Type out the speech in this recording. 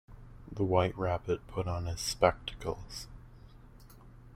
The White Rabbit put on his spectacles.